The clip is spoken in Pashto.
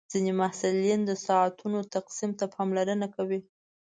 ځینې محصلین د ساعتونو تقسیم ته پاملرنه کوي.